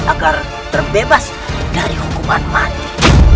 agar terbebas dari hukuman mati